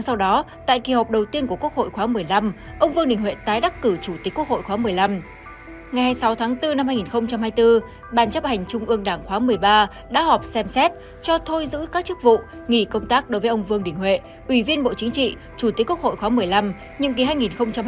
xin chào các bạn